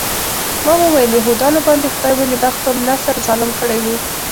ما وویل یهودانو باندې خدای ولې بخت النصر ظالم کړی و.